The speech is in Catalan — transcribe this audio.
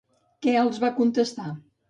Què els va contestar?